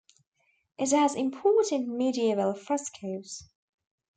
It has important medieval frescoes.